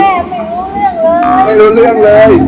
สวัสดีค่ะไม่รู้เรื่องเลยไม่รู้เรื่องเลย